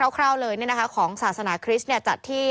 คร่าวเลยของศาสนาคริสต์จัดที่